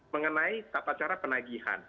mengenai sapa cara penagihan